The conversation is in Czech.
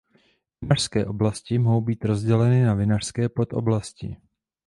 Vinařské oblasti mohou být rozděleny na vinařské podoblasti.